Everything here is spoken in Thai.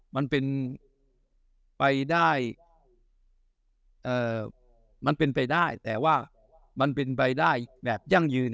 มันเป็นไปได้มันเป็นไปได้แต่ว่ามันเป็นไปได้แบบยั่งยืน